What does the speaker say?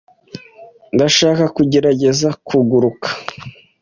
Ndashaka kugerageza kuguruka.